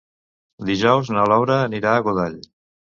Dijous na Laura anirà a Godall.